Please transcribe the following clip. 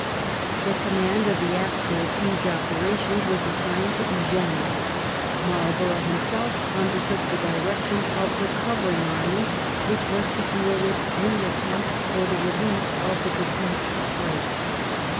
The command of the actual siege operations was assigned to Eugene. Marl borough himself undertook the direction of the cover ing army which was to deal with any attempt for the relief of the besieged place.